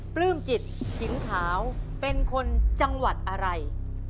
ปลื้มจิตหินขาวเป็นคนจังหวัดอะไร